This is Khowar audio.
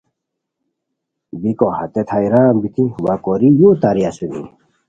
بیکو ہتیت حیران بیتی وا کوری یو تارے اسونی